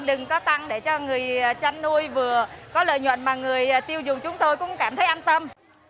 đừng có tăng để cho người chăn nuôi vừa có lợi nhuận mà người tiêu dùng chúng tôi cũng cảm thấy an tâm